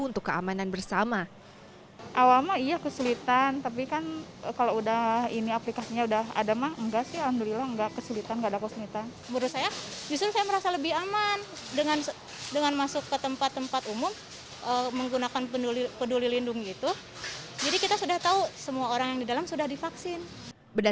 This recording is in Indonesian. untuk keamanan bersama awal awal iya kesulitan tapi kan kalau udah ini aplikasinya udah ada